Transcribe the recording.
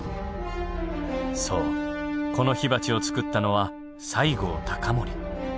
そうこの火鉢を作ったのは西郷隆盛。